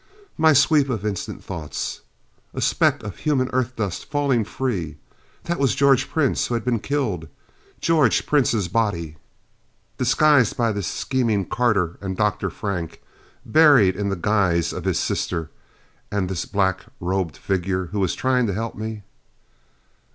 My sweep of instant thoughts. A speck of human Earth dust falling free. That was George Prince who had been killed. George Prince's body, disguised by the scheming Carter and Dr. Frank, buried in the guise of his sister. And this black robed figure who was trying to help me....